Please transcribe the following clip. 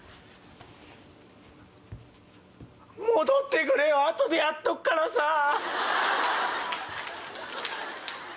戻ってくれよ後でやっとくからさぁ！